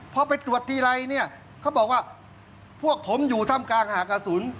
พอไปตรวจทีไรเขาบอกว่าพวกผมอยู่ท่ำกลางหากศูนย์